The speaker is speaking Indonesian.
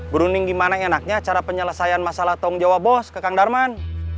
berunding gimana enaknya cara penyelesaian masalah tanggung jawab bos ke kang darman